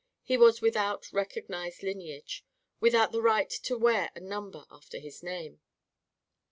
He was without recognised lineage; without the right to wear a number after his name.